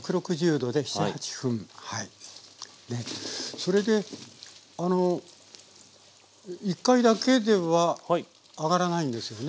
それであの１回だけでは揚がらないんですよね？